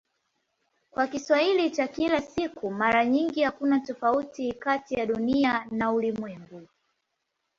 Kwa Kiswahili cha kila siku mara nyingi hakuna tofauti kati ya "Dunia" na "ulimwengu".